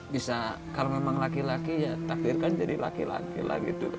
bisa kalau memang laki laki ya takdirkan jadi laki laki lah gitu